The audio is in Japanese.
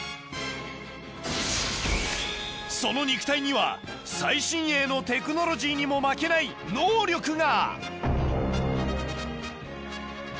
その肉体には最新鋭のテクノロジーにも負けない能力が。